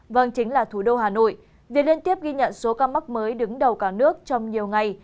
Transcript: vâng chính là thủ đô hà nội việc liên tiếp ghi nhận số ca mắc mới đứng đầu cả nước trong nhiều ngày